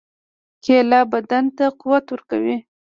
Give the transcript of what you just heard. کېله بدن ته قوت ورکوي.